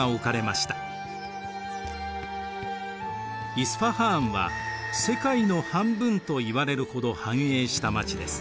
イスファハーンは世界の半分といわれるほど繁栄した街です。